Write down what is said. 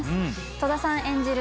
戸田さん演じる